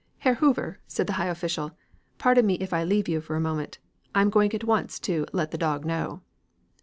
'" "Herr Hoover," said the high official, "pardon me if I leave you for a moment. I am going at once to 'let the dog know.'"